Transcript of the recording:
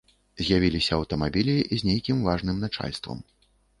З'явіліся аўтамабілі з нейкім важным начальствам.